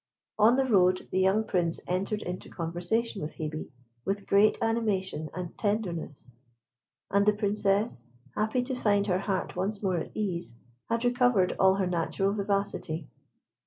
On the road, the young Prince entered into conversation with Hebe, with great animation and tenderness; and the Princess, happy to find her heart once more at ease, had recovered all her natural vivacity.